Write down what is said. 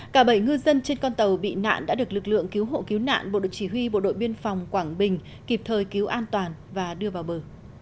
cả bảy ngư dân trên con tàu bị nạn đã được lực lượng cứu hộ cứu nạn bộ đội chỉ huy bộ đội biên phòng quảng bình kịp thời cứu an toàn và đưa vào bờ